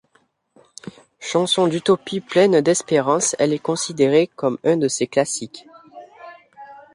Chanson d'utopie pleine d'espérance, elle est considérée comme un de ses classiques.